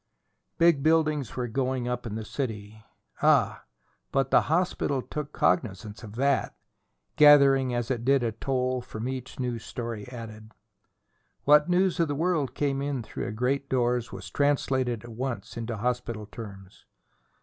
Big buildings were going up in the city. Ah! but the hospital took cognizance of that, gathering as it did a toll from each new story added. What news of the world came in through the great doors was translated at once into hospital terms.